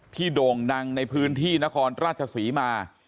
โด่งดังในพื้นที่นครราชศรีมา